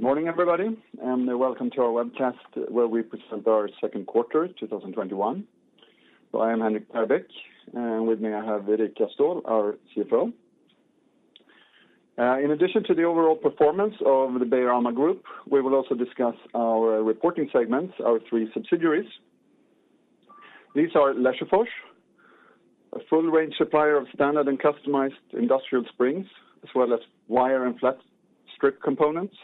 Morning, everybody, welcome to our webcast where we present our Q2 2021. I am Henrik Perbeck, with me, I have Erika Ståhl, our CFO. In addition to the overall performance of the Beijer Alma Group, we will also discuss our reporting segments, our three subsidiaries. These are Lesjöfors, a full range supplier of standard and customized industrial springs, as well as wire and flat strip components,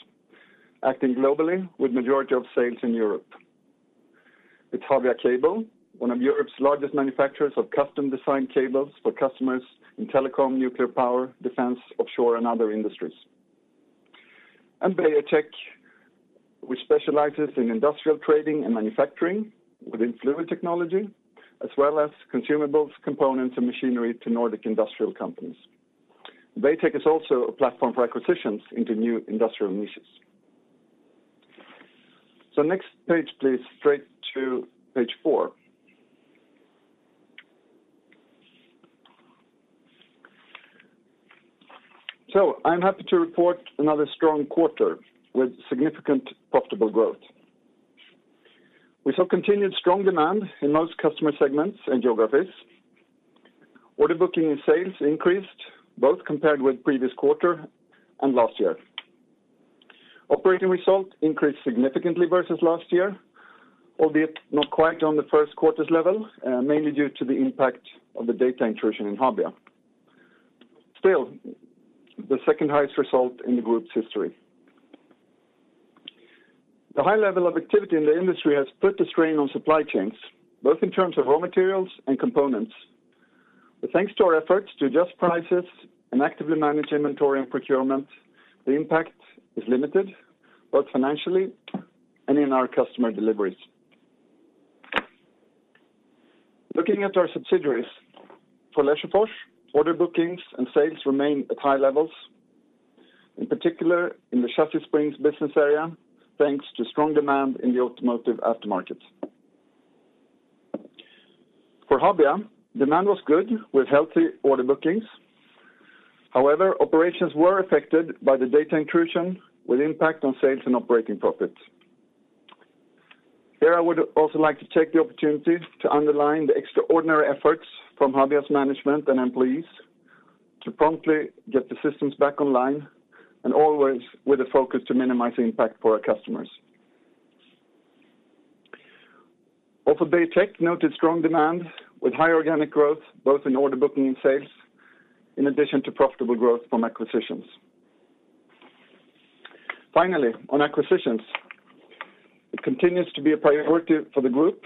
acting globally with majority of sales in Europe. With Habia Cable, one of Europe's largest manufacturers of custom designed cables for customers in telecom, nuclear power, defense, offshore, and other industries. Beijer Tech, which specializes in industrial trading and manufacturing within fluid technology, as well as consumables, components, and machinery to Nordic industrial companies. Beijer Tech is also a platform for acquisitions into new industrial niches. Next page, please, straight to page four. I'm happy to report another strong quarter with significant profitable growth. We saw continued strong demand in most customer segments and geographies. Order booking and sales increased, both compared with previous quarter and last year. Operating result increased significantly versus last year, albeit not quite on the first quarter's level, mainly due to the impact of the data intrusion in Habia. Still, the second highest result in the group's history. The high level of activity in the industry has put the strain on supply chains, both in terms of raw materials and components. Thanks to our efforts to adjust prices and actively manage inventory and procurement, the impact is limited, both financially and in our customer deliveries. Looking at our subsidiaries. For Lesjöfors, order bookings and sales remain at high levels, in particular in the Chassis Springs business area, thanks to strong demand in the automotive aftermarket. For Habia, demand was good with healthy order bookings. However, operations were affected by the data intrusion with impact on sales and operating profits. Here I would also like to take the opportunity to underline the extraordinary efforts from Habia's management and employees to promptly get the systems back online and always with a focus to minimize the impact for our customers. Also, Beijer Tech noted strong demand with high organic growth, both in order booking and sales, in addition to profitable growth from acquisitions. Finally, on acquisitions. It continues to be a priority for the group.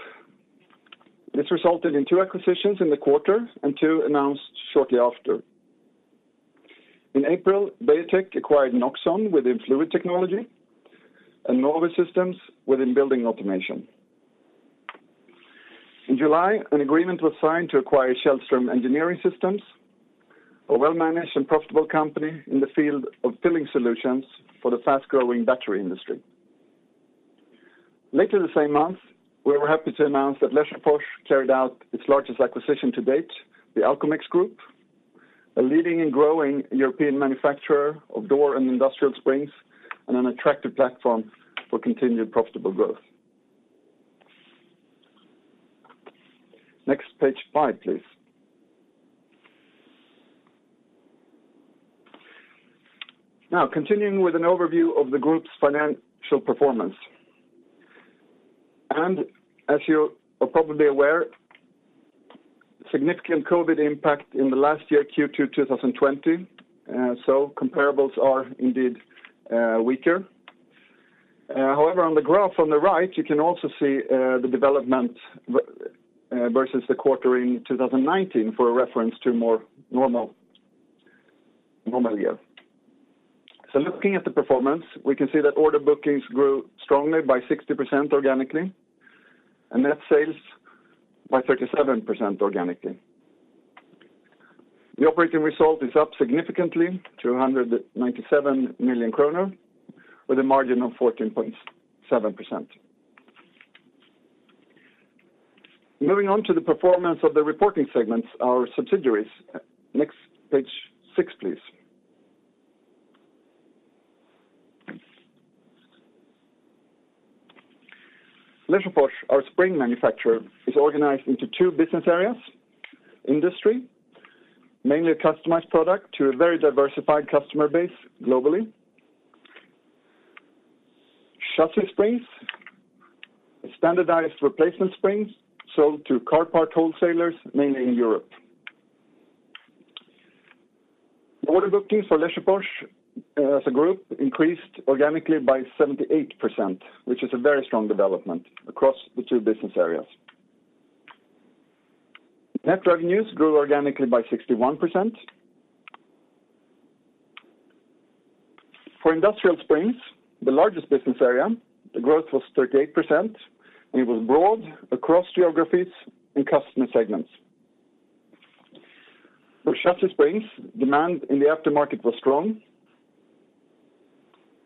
This resulted in two acquisitions in the quarter and two announced shortly after. In April, Beijer Tech acquired Noxon within fluid technology and Novosystems within building automation. In July, an agreement was signed to acquire Källström Engineering Systems, a well-managed and profitable company in the field of filling solutions for the fast-growing battery industry. Later the same month, we were happy to announce that Lesjöfors carried out its largest acquisition to date, the Alcomex Group, a leading and growing European manufacturer of door and industrial springs and an attractive platform for continued profitable growth. Next, page five, please. Continuing with an overview of the group's financial performance. As you are probably aware, significant COVID-19 impact in the last year, Q2 2020. Comparables are indeed weaker. However, on the graph on the right, you can also see the development versus the quarter in 2019 for a reference to a more normal year. Looking at the performance, we can see that order bookings grew strongly by 60% organically, and net sales by 37% organically. The operating result is up significantly to 197 million kronor with a margin of 14.7%. Moving on to the performance of the reporting segments, our subsidiaries. Next, page six, please. Lesjöfors, our spring manufacturer, is organized into two business areas. Industrial, mainly a customized product to a very diversified customer base globally. Chassis Springs, standardized replacement springs sold to car part wholesalers, mainly in Europe. Order bookings for Lesjöfors as a group increased organically by 78%, which is a very strong development across the two business areas. Net revenues grew organically by 61%. For Industrial Springs, the largest business area, the growth was 38%, and it was broad across geographies and customer segments. For Chassis Springs, demand in the aftermarket was strong.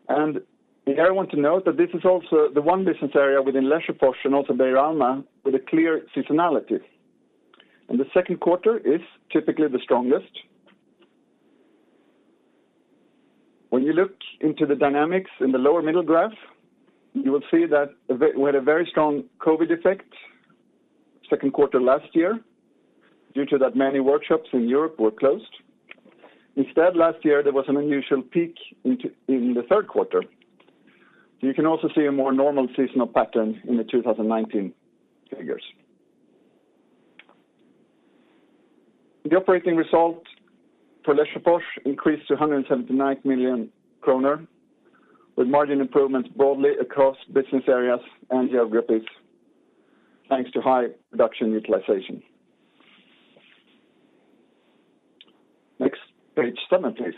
Here I want to note that this is also the one business area within Lesjöfors and also Beijer Alma with a clear seasonality. The second quarter is typically the strongest. When you look into the dynamics in the lower middle graph, you will see that we had a very strong COVID-19 effect second quarter last year, due to that many workshops in Europe were closed. Instead, last year, there was an unusual peak in the third quarter. You can also see a more normal seasonal pattern in the 2019 figures. The operating result for Lesjöfors increased to 179 million kronor, with margin improvements broadly across business areas and geographies, thanks to high production utilization. Next, page seven, please.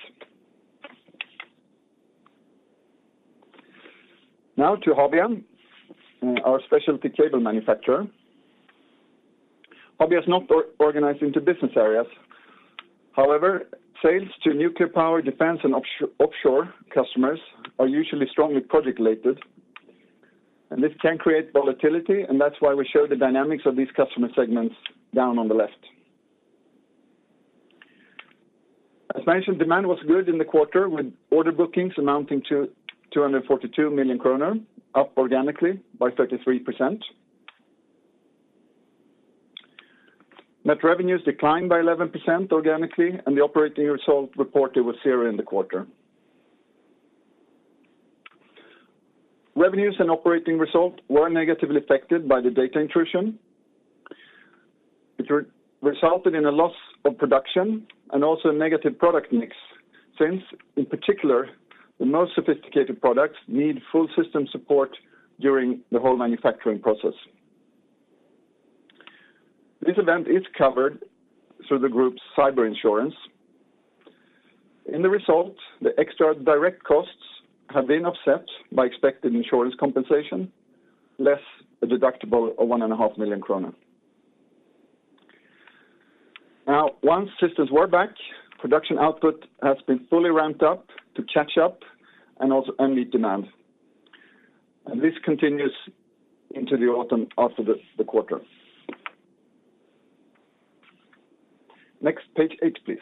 Now to Habia, our specialty cable manufacturer. Habia is not organized into business areas. Sales to nuclear power defense and offshore customers are usually strongly project related, and this can create volatility, and that's why we show the dynamics of these customer segments down on the left. As mentioned, demand was good in the quarter, with order bookings amounting to 242 million kronor, up organically by 33%. Net revenues declined by 11% organically, and the operating result reported was 0 in the quarter. Revenues and operating results were negatively affected by the data intrusion, which resulted in a loss of production and also a negative product mix, since, in particular, the most sophisticated products need full system support during the whole manufacturing process. This event is covered through the group's cyber insurance. In the result, the extra direct costs have been offset by expected insurance compensation, less a deductible of one and a half million SEK. Once systems were back, production output has been fully ramped up to catch up and also meet demand. This continues into the autumn after the quarter. Next, page eight, please.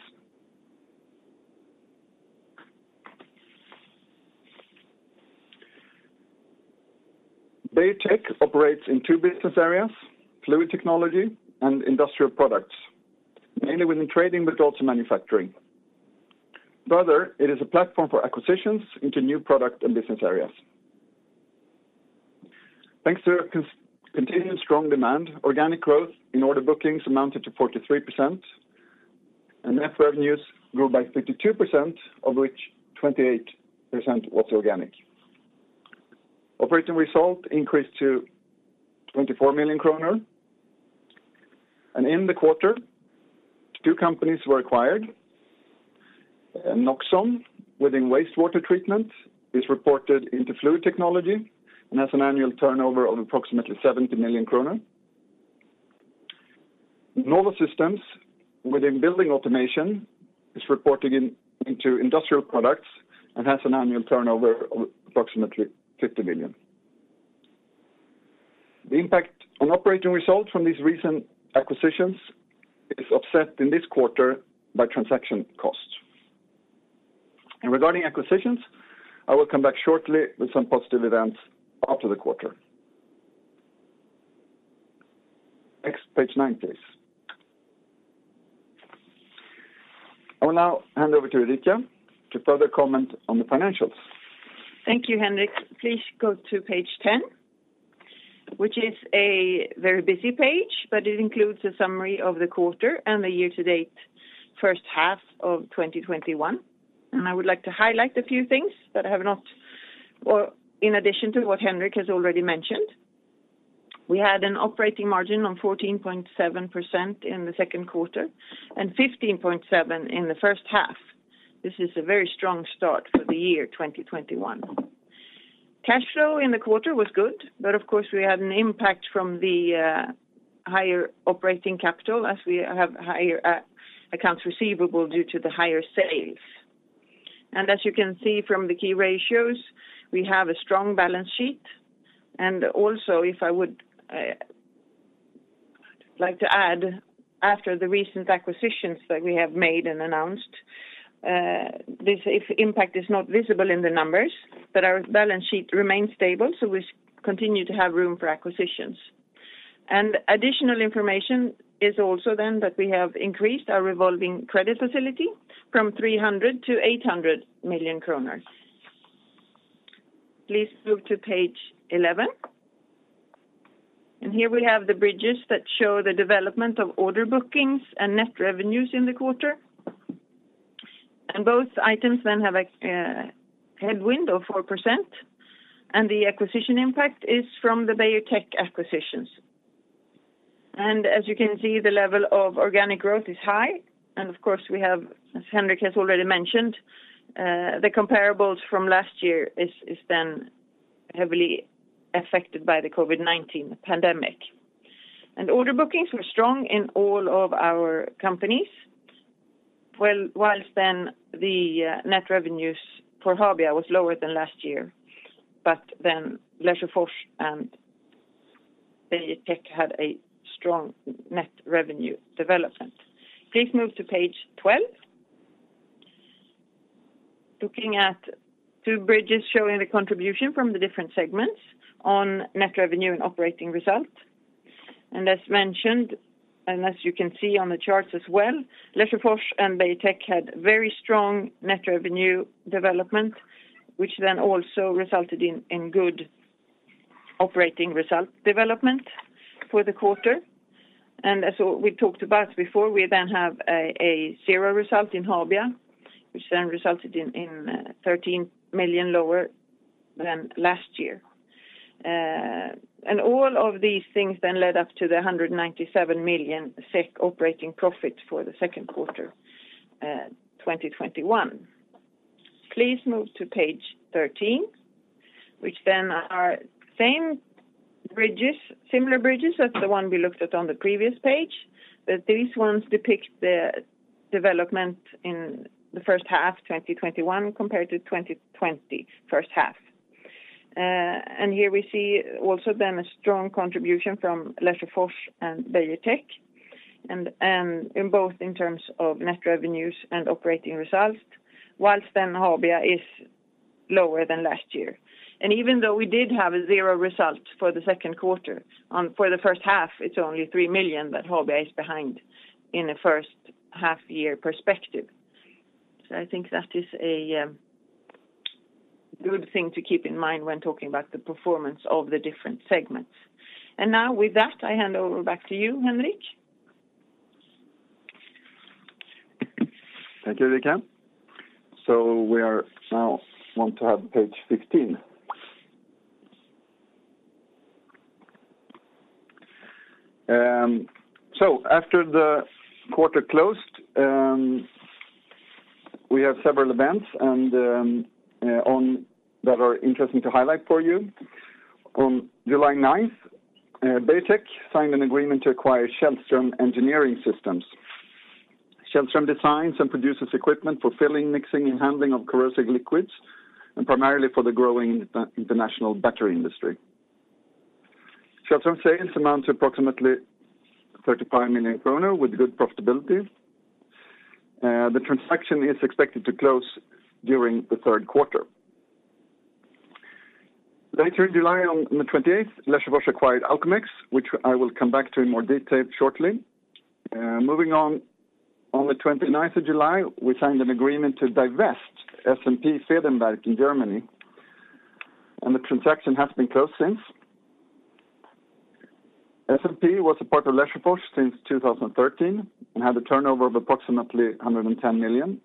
Beijer Tech operates in two business areas, fluid technology and industrial products, mainly within trading, but also manufacturing. Further, it is a platform for acquisitions into new product and business areas. Thanks to continued strong demand, organic growth in order bookings amounted to 43%, and net revenues grew by 52%, of which 28% was organic. Operating result increased to 24 million kronor. In the quarter, two companies were acquired. Noxon, within wastewater treatment, is reported into fluid technology and has an annual turnover of approximately 70 million kronor. Novosystems, within building automation, is reporting into industrial products and has an annual turnover of approximately 50 million. The impact on operating results from these recent acquisitions is offset in this quarter by transaction costs. Regarding acquisitions, I will come back shortly with some positive events after the quarter. Next, page nine, please. I will now hand over to Erika to further comment on the financials. Thank you, Henrik. Please go to page 10, which is a very busy page, but it includes a summary of the quarter and the year to date, first half of 2021. I would like to highlight a few things that I have in addition to what Henrik has already mentioned. We had an operating margin on 14.7% in the second quarter and 15.7% in the first half. This is a very strong start for the year 2021. Cash flow in the quarter was good, but of course, we had an impact from the higher operating capital as we have higher accounts receivable due to the higher sales. As you can see from the key ratios, we have a strong balance sheet. After the recent acquisitions that we have made and announced, this impact is not visible in the numbers, our balance sheet remains stable, we continue to have room for acquisitions. Additional information is also then that we have increased our revolving credit facility from 300 to 800 million kronor. Please move to page 11. Here we have the bridges that show the development of order bookings and net revenues in the quarter. Both items then have a headwind of 4%, the acquisition impact is from the Beijer Tech acquisitions. As you can see, the level of organic growth is high. We have, as Henrik has already mentioned, the comparables from last year is then heavily affected by the COVID-19 pandemic. Order bookings were strong in all of our companies. The net revenues for Habia was lower than last year. Lesjöfors and Beijer Tech had a strong net revenue development. Please move to page 12. Looking at two bridges showing the contribution from the different segments on net revenue and operating result. As mentioned, and as you can see on the charts as well, Lesjöfors and Beijer Tech had very strong net revenue development, which then also resulted in good operating result development for the quarter. As we talked about before, we then have a zero result in Habia, which then resulted in 13 million lower than last year. All of these things then led up to the 197 million SEK operating profit for the second quarter 2021. Please move to page 13, which then are similar bridges as the one we looked at on the previous page. These ones depict the development in the first half 2021 compared to 2020 first half. Here we see also a strong contribution from Lesjöfors and Beijer Tech, both in terms of net revenues and operating results, whilst Habia is lower than last year. Even though we did have a zero result for Q2, for the first half, it is only 3 million that Habia is behind in the first half-year perspective. I think that is a good thing to keep in mind when talking about the performance of the different segments. Now with that, I hand over back to you, Henrik. Thank you, Erika. We are now want to have page 15. After the quarter closed, we have several events that are interesting to highlight for you. On July 9th, Beijer Tech signed an agreement to acquire Källström Engineering Systems. Källström designs and produces equipment for filling, mixing, and handling of corrosive liquids, and primarily for the growing international battery industry. Källström sales amounts approximately 35 million kronor with good profitability. The transaction is expected to close during the third quarter. Later in July on the 28th, Lesjöfors acquired Alcomex, which I will come back to in more detail shortly. Moving on the 29th of July, we signed an agreement to divest S&P Federnwerk in Germany, and the transaction has been closed since. S&P was a part of Lesjöfors since 2013 and had a turnover of approximately 110 million,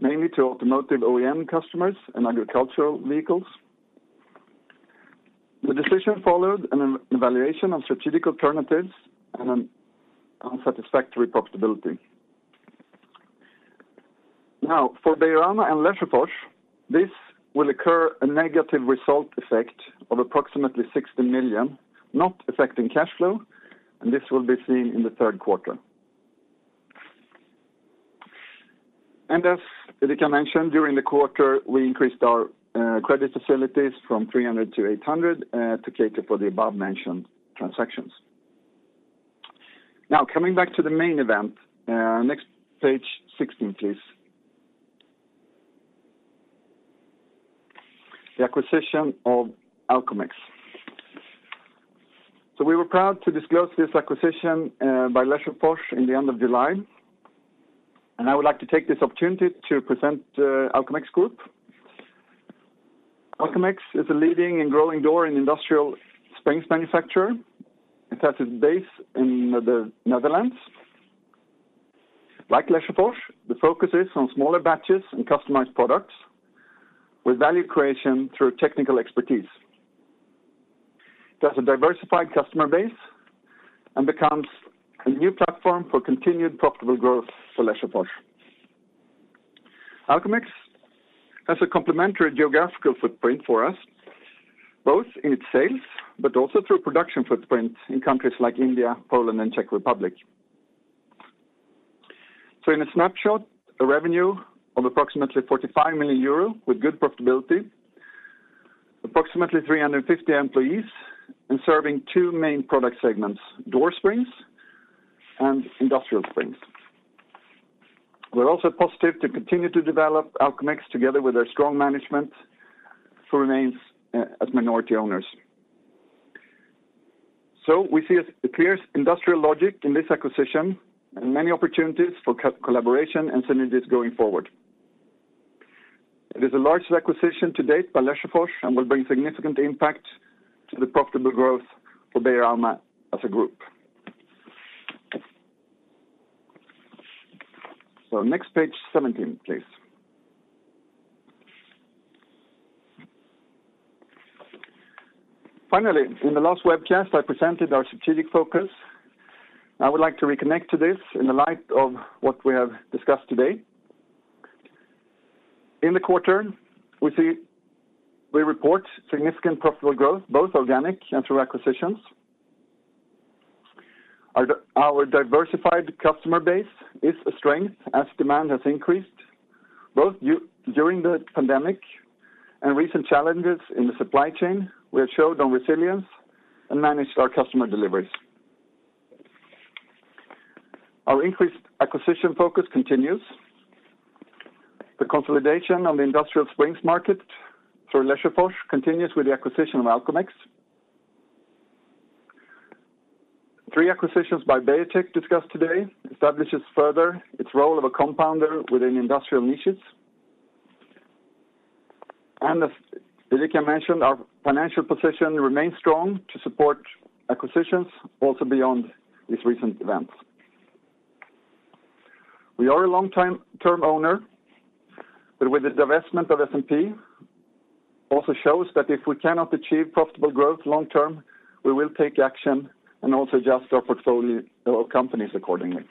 mainly to automotive OEM customers and agricultural vehicles. The decision followed an evaluation of strategic alternatives and an unsatisfactory profitability. For Beijer Alma and Lesjöfors, this will occur a negative result effect of approximately 60 million, not affecting cash flow, and this will be seen in the third quarter. As Erika mentioned, during the quarter, we increased our credit facilities from 300 million to 800 million to cater for the above-mentioned transactions. Coming back to the main event. Next, page 16, please. The acquisition of Alcomex. We were proud to disclose this acquisition by Lesjöfors in the end of July, and I would like to take this opportunity to present Alcomex Group. Alcomex is a leading and growing door and industrial springs manufacturer. It has its base in the Netherlands. Like Lesjöfors, the focus is on smaller batches and customized products with value creation through technical expertise. It has a diversified customer base and becomes a new platform for continued profitable growth for Lesjöfors. Alcomex has a complementary geographical footprint for us, both in its sales but also through production footprint in countries like India, Poland, and Czech Republic. In a snapshot, a revenue of approximately 45 million euro with good profitability, approximately 350 employees, and serving 2 main product segments, Door Springs and Industrial Springs. We're also positive to continue to develop Alcomex together with their strong management who remains as minority owners. We see a clear industrial logic in this acquisition and many opportunities for collaboration and synergies going forward. It is the largest acquisition to date by Lesjöfors and will bring significant impact to the profitable growth for Beijer Alma as a group. Next page, 17, please. Finally, in the last webcast, I presented our strategic focus. I would like to reconnect to this in the light of what we have discussed today. In the quarter, we report significant profitable growth, both organic and through acquisitions. Our diversified customer base is a strength as demand has increased, both during the pandemic and recent challenges in the supply chain. We have shown resilience and managed our customer deliveries. Our increased acquisition focus continues. The consolidation on the industrial springs market through Lesjöfors continues with the acquisition of Alcomex. Three acquisitions by Beijer Tech discussed today, establishes further its role of a compounder within industrial niches. As Erika mentioned, our financial position remains strong to support acquisitions also beyond these recent events. We are a long-term owner, with the divestment of S&P, also shows that if we cannot achieve profitable growth long term, we will take action and also adjust our portfolio of companies accordingly.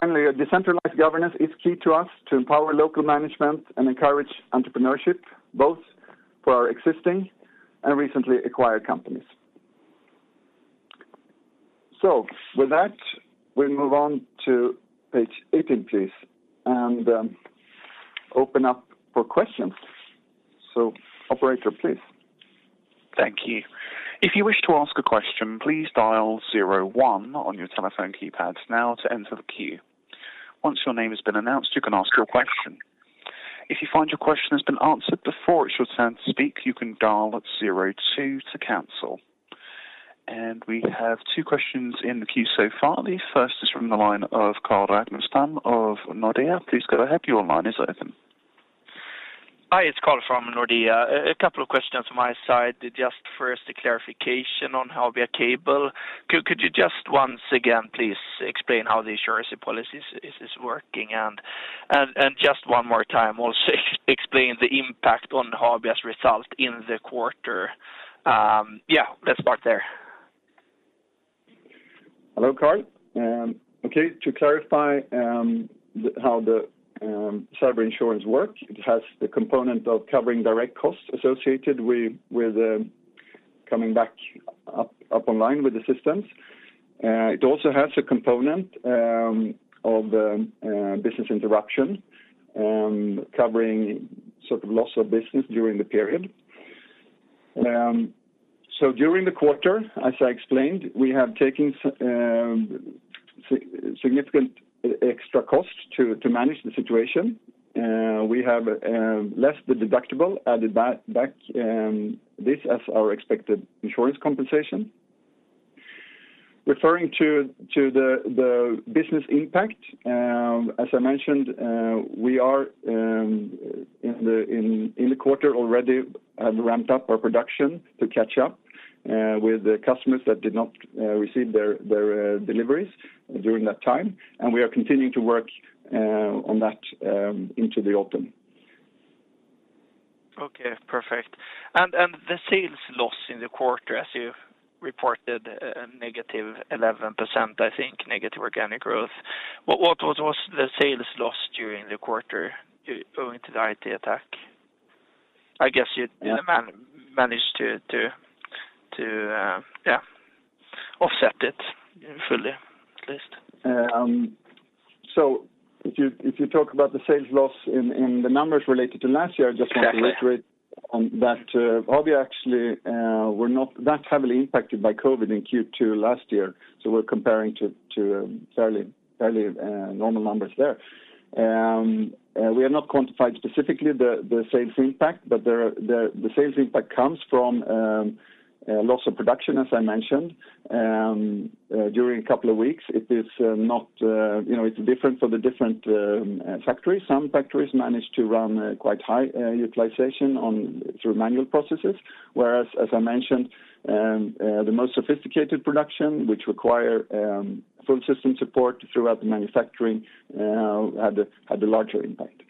Finally, a decentralized governance is key to us to empower local management and encourage entrepreneurship, both for our existing and recently acquired companies. With that, we move on to page 18, please, and open up for questions. Operator, please. Thank you. If you wish to ask a question, please dial zero one on your telephone keypads now to enter the queue. Once your name has been announced, you can ask your question. If you find your question has been answered before it's your turn to speak, you can dial zero two to cancel. We have two questions in the queue so far. The first is from the line of Carl Ragnerstam of Nordea. Please go ahead. Your line is open. Hi, it's Carl from Nordea. A couple of questions my side. Just first a clarification on how Habia Cable, could you just once again please explain how the insurance policy is working? Just one more time also explain the impact on Habia's result in the quarter. Yeah, let's start there. Hello, Carl. Okay, to clarify how the cyber insurance works, it has the component of covering direct costs associated with coming back up online with the systems. It also has a component of the business interruption, covering loss of business during the period. During the quarter, as I explained, we have taken significant extra costs to manage the situation. We have less the deductible, added back this as our expected insurance compensation. Referring to the business impact, as I mentioned, we are in the quarter already have ramped up our production to catch up with customers that did not receive their deliveries during that time. We are continuing to work on that into the autumn. Okay, perfect. The sales loss in the quarter, as you reported a negative 11%, I think, negative organic growth. What was the sales loss during the quarter owing to the IT attack? I guess you managed to offset it fully, at least. If you talk about the sales loss in the numbers related to last year, I just want to reiterate on that Habia actually were not that heavily impacted by COVID-19 in Q2 last year. We're comparing to fairly normal numbers there. We have not quantified specifically the sales impact, but the sales impact comes from loss of production, as I mentioned during a couple of weeks. It's different for the different factories. Some factories managed to run quite high utilization through manual processes, whereas, as I mentioned, the most sophisticated production, which require full system support throughout the manufacturing, had a larger impact.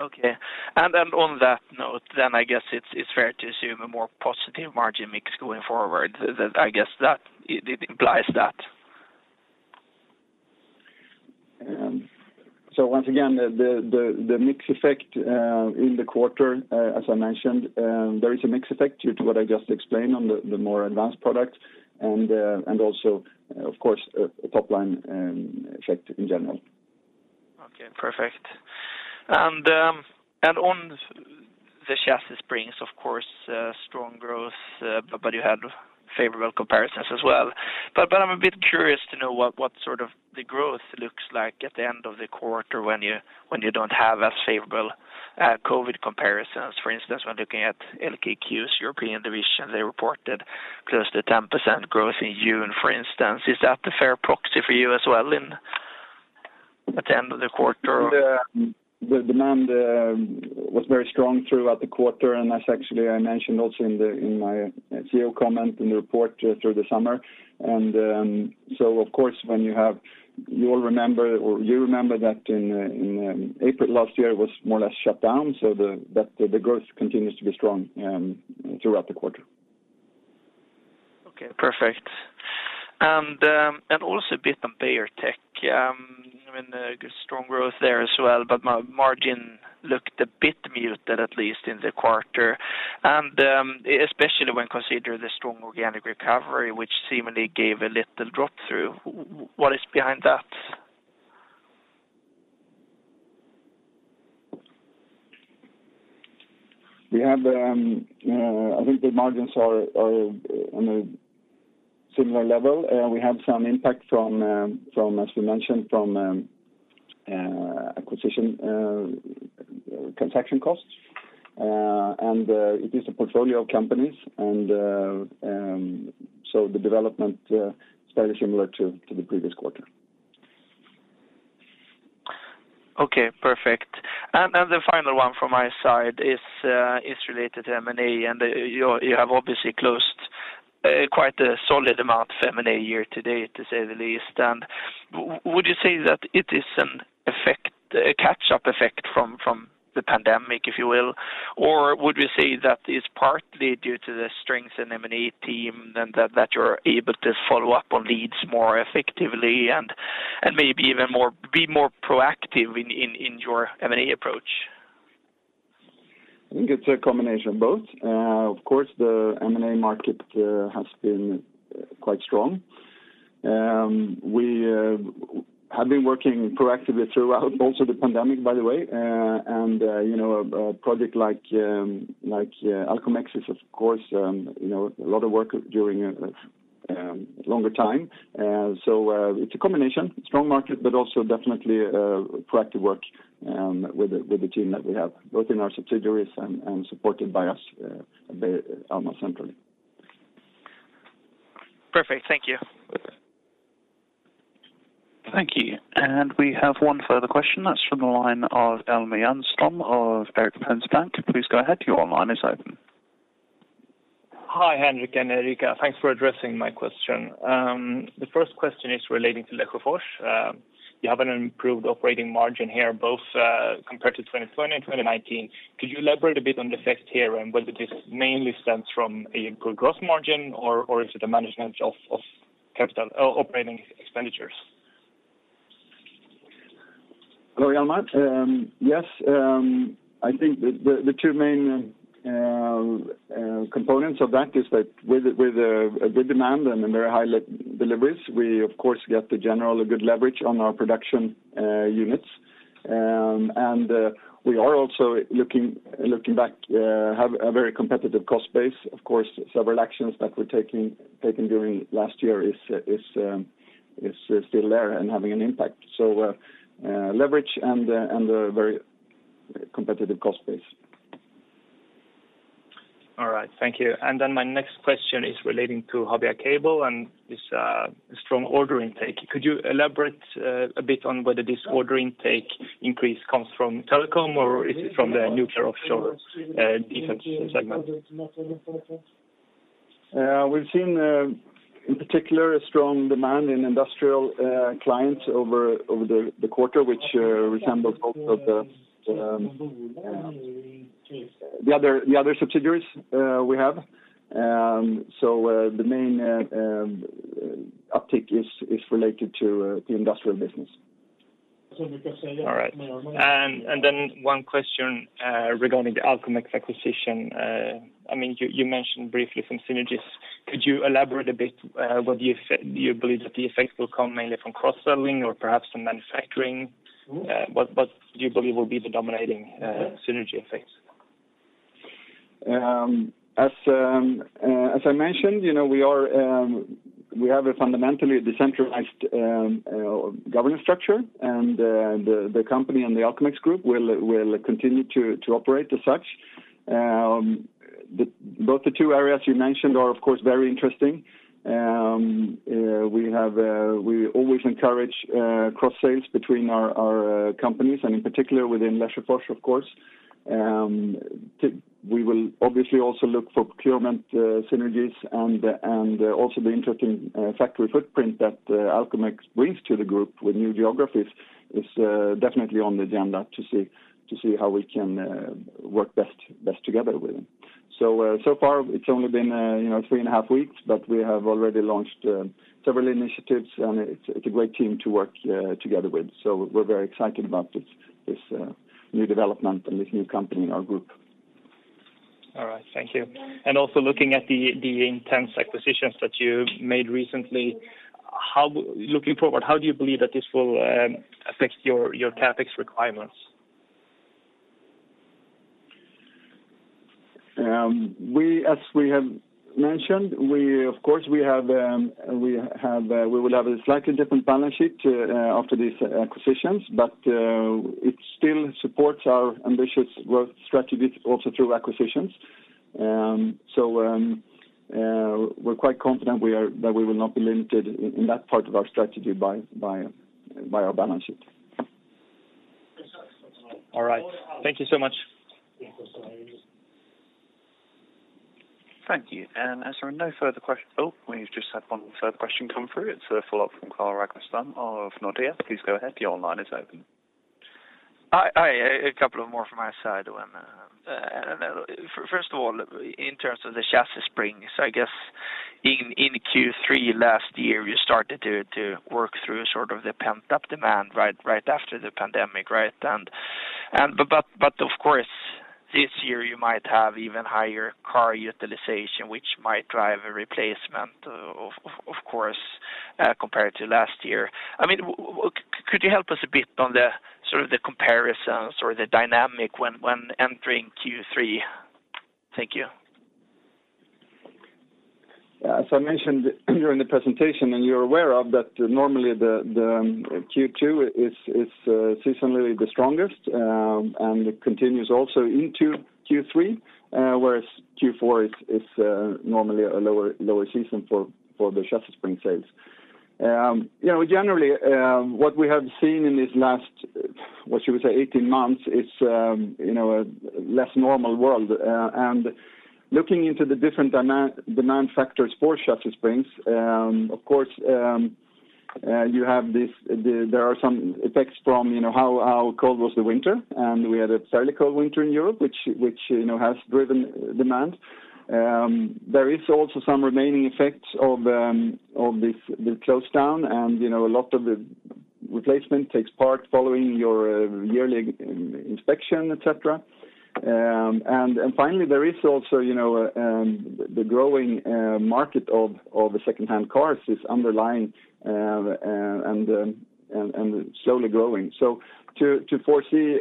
Okay. On that note, I guess it's fair to assume a more positive margin mix going forward. I guess it implies that. Once again, the mix effect in the quarter, as I mentioned, there is a mix effect due to what I just explained on the more advanced product and also, of course, a top-line effect in general. Okay, perfect. On the Chassis Springs, of course, strong growth, but you had favorable comparisons as well. I'm a bit curious to know what sort of the growth looks like at the end of the quarter when you don't have as favorable COVID comparisons. For instance, when looking at LKQ's European division, they reported close to 10% growth in June, for instance. Is that a fair proxy for you as well at the end of the quarter? The demand was very strong throughout the quarter, as actually I mentioned also in my CEO comment in the report through the summer. Of course, you remember that in April last year, it was more or less shut down, the growth continues to be strong throughout the quarter. Okay, perfect. Also a bit on Beijer Tech. I mean, a good strong growth there as well, but margin looked a bit muted, at least in the quarter. Especially when considering the strong organic recovery, which seemingly gave a little drop through. What is behind that? I think the margins are on a similar level. We have some impact, as we mentioned, from acquisition transaction costs. It is a portfolio of companies, so the development stayed similar to the previous quarter. Okay, perfect. The final one from my side is related to M&A, and you have obviously closed quite a solid amount of M&A year to date, to say the least. Would you say that it is a catch-up effect from the pandemic, if you will? Would you say that it's partly due to the strength in M&A team and that you're able to follow up on leads more effectively and maybe even be more proactive in your M&A approach? I think it's a combination of both. Of course, the M&A market has been quite strong. We have been working proactively throughout most of the pandemic, by the way, and a project like Alcomex is, of course, a lot of work during a longer time. It's a combination. Strong market, but also definitely proactive work with the team that we have, both in our subsidiaries and supported by us at the Alma central. Perfect. Thank you. Okay. Thank you. We have one further question that's from the line of Hjalmar Jernström of Erik Penser Bank. Please go ahead. Your line is open. Hi, Henrik and Erika. Thanks for addressing my question. The first question is relating to Lesjöfors. You have an improved operating margin here, both compared to 2020 and 2019. Could you elaborate a bit on the effect here and whether this mainly stems from a good gross margin, or is it the management of capital operating expenditures? Hello, Hjalmar. Yes, I think the two main components of that is that with a good demand and very high deliveries, we of course get the general good leverage on our production units. We are also looking back, have a very competitive cost base. Of course, several actions that were taken during last year is still there and having an impact. Leverage and a very competitive cost base. All right. Thank you. My next question is relating to Habia Cable and his strong order intake. Could you elaborate a bit on whether this order intake increase comes from telecom, or is it from the nuclear offshore defense segment? We've seen, in particular, a strong demand in industrial clients over the quarter, which resembles both of the other subsidiaries we have. The main uptick is related to the industrial business. All right. One question regarding the Alcomex acquisition. You mentioned briefly some synergies. Could you elaborate a bit whether you believe that the effects will come mainly from cross-selling or perhaps from manufacturing? What do you believe will be the dominating synergy effects? As I mentioned, we have a fundamentally decentralized governance structure, and the company and the Alcomex Group will continue to operate as such. Both the two areas you mentioned are, of course, very interesting. We always encourage cross-sales between our companies, and in particular within Lesjöfors, of course. We will obviously also look for procurement synergies and also the interesting factory footprint that Alcomex brings to the group with new geographies is definitely on the agenda to see how we can work best together with them. Far it's only been three and a half weeks, but we have already launched several initiatives, and it's a great team to work together with. We're very excited about this new development and this new company in our group. All right. Thank you. Also looking at the intense acquisitions that you've made recently, looking forward, how do you believe that this will affect your CapEx requirements? As we have mentioned, of course, we will have a slightly different balance sheet after these acquisitions, but it still supports our ambitious growth strategies also through acquisitions. We're quite confident that we will not be limited in that part of our strategy by our balance sheet. All right. Thank you so much. Thank you. As there are no further questions. Oh, we've just had one further question come through. It's a follow-up from Carl Ragnerstam of Nordea. Please go ahead. Your line is open. A couple of more from my side, Ona. First of all, in terms of the Chassis Springs, I guess in Q3 last year, you started to work through sort of the pent-up demand right after the pandemic, right? Of course, this year you might have even higher car utilization, which might drive a replacement, of course, compared to last year. Could you help us a bit on the comparisons or the dynamic when entering Q3? Thank you. As I mentioned during the presentation, and you're aware of, that normally the Q2 is seasonally the strongest, and it continues also into Q3. Whereas Q4 is normally a lower season for the chassis spring sales. Generally, what we have seen in these last, what should we say, 18 months is a less normal world. Looking into the different demand factors for chassis springs, of course, there are some effects from how cold was the winter, and we had a fairly cold winter in Europe, which has driven demand. There is also some remaining effects of the close down and a lot of the replacement takes part following your yearly inspection, et cetera. Finally, there is also the growing market of second-hand cars is underlying and slowly growing. To foresee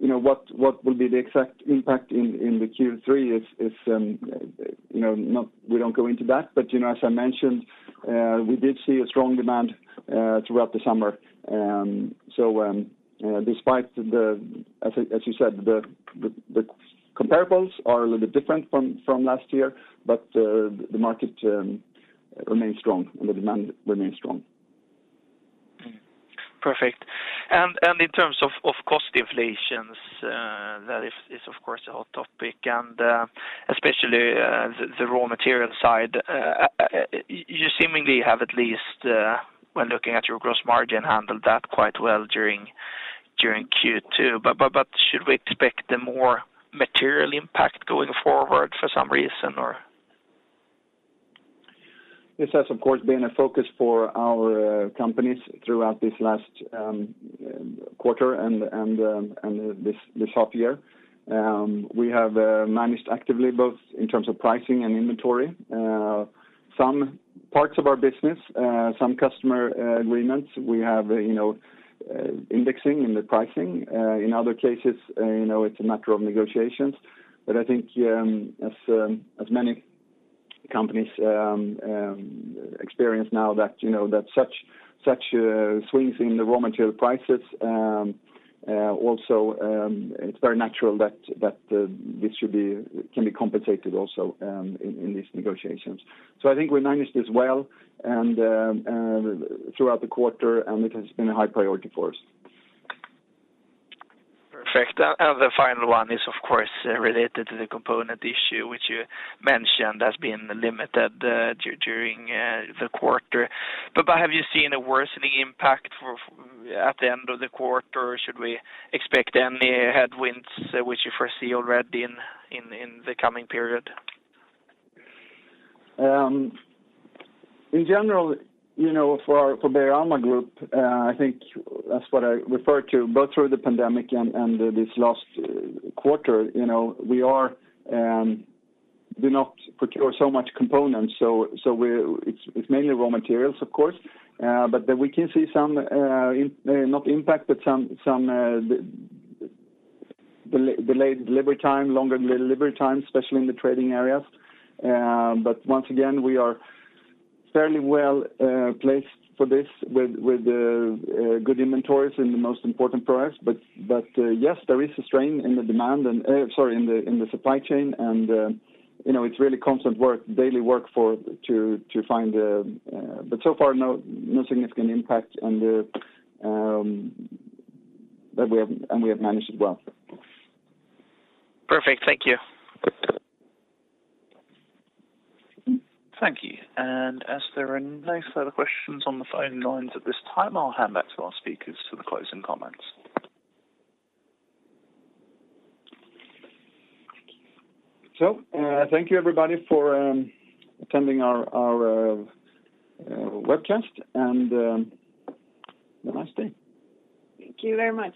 what will be the exact impact in the Q3, we don't go into that. As I mentioned, we did see a strong demand throughout the summer. Despite the, as you said, the comparables are a little different from last year, but the market remains strong and the demand remains strong. Perfect. In terms of cost inflation, that is, of course, a hot topic, especially the raw material side. You seemingly have at least, when looking at your gross margin, handled that quite well during Q2. Should we expect a more material impact going forward for some reason, or? This has, of course, been a focus for our companies throughout this last quarter and this half year. We have managed actively both in terms of pricing and inventory. Some parts of our business, some customer agreements, we have indexing in the pricing. In other cases, it's a matter of negotiations. I think as many companies experience now that such swings in the raw material prices also, it's very natural that this can be compensated also in these negotiations. I think we managed this well throughout the quarter, and it has been a high priority for us. Perfect. The final one is, of course, related to the component issue, which you mentioned has been limited during the quarter. Have you seen a worsening impact at the end of the quarter? Should we expect any headwinds which you foresee already in the coming period? In general, for Beijer Alma Group, I think that's what I referred to, both through the pandemic and this last quarter, we do not procure so much components. It's mainly raw materials, of course. We can see some, not impact, but some delayed delivery time, longer delivery time, especially in the trading areas. Once again, we are fairly well placed for this with good inventories in the most important products. Yes, there is a strain in the supply chain, and it's really constant work, daily work to find. So far, no significant impact, and we have managed it well. Perfect. Thank you. Thank you. As there are no further questions on the phone lines at this time, I'll hand back to our speakers for the closing comments. Thank you everybody for attending our webcast, and have a nice day. Thank you very much.